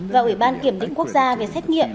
và ủy ban kiểm định quốc gia về xét nghiệm